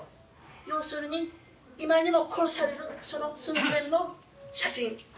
要するに、今にも殺されるその寸前の写真。